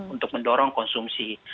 untuk barang konsumsi